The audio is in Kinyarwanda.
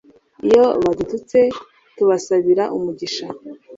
iyo badututse tubasabira umugisha